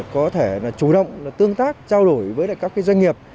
có thể là chủ động tương tác trao đổi với các doanh nghiệp